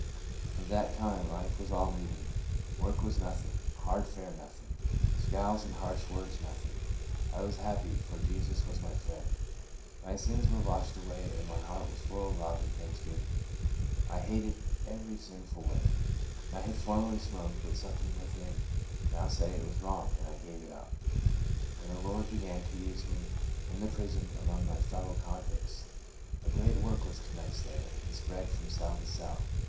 From that time life was all new to me. Work was nothing; hard fare nothing; scowls and harsh words nothing. I was happy, for Jesus was my friend ; my sins were washed away, and my heart was full of love and thanksgiving. I hated every sinful way. I had formerly smoked, but something within now said it was wrong, and I gave it up. And the Lord began to use me in the THE MORNING J3REAKETH. 31 prison, among my fellow convicts. A great work was commenced there, and spread from cell to cell.